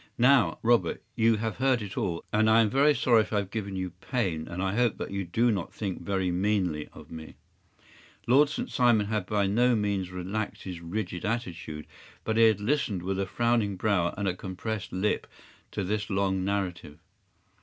Now, Robert, you have heard it all, and I am very sorry if I have given you pain, and I hope that you do not think very meanly of me.” Lord St. Simon had by no means relaxed his rigid attitude, but had listened with a frowning brow and a compressed lip to this long narrative.